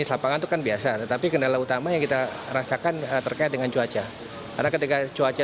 sehingga saat rangkaian lrt tiba di jakarta